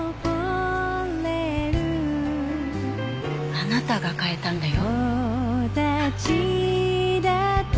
あなたが変えたんだよ。